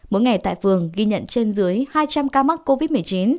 mỗi ngày tại phường ghi nhận trên dưới hai trăm linh ca mắc covid một mươi chín